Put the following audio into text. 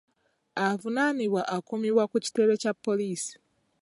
Avunaanibwa akuumibwa ku kitebe kya poliisi.